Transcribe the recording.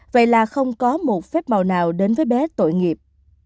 vậy là không có một phép màu nào đến với bé tội nghiệp